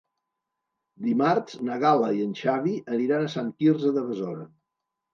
Dimarts na Gal·la i en Xavi aniran a Sant Quirze de Besora.